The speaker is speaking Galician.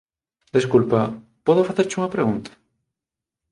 Desculpa, podo facerche una pregunta?